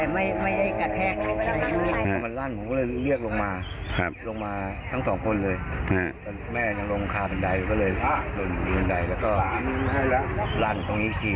มันเป็นยังไงครับแม่ครับ